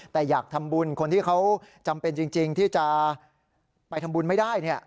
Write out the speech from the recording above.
แต่อยากทำบุญคนที่เขาจำเป็นจริงที่จะไปทำบุญไม่ได้